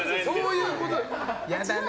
嫌だね。